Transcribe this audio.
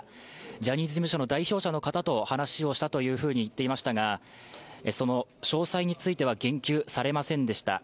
ジャニーズ事務所の代表者の方と話をしたと言っていましたが、その詳細については言及されませんでした。